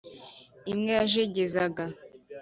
Imwe yajegezaga